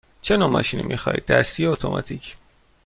چه نوع ماشینی می خواهید – دستی یا اتوماتیک؟